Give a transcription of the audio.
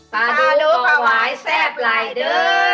ปลาดูปลาไหว้แซ่บไหล่เด้อ